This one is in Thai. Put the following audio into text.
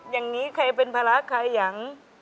อย่างนี้ใครเป็นภาระใครยัง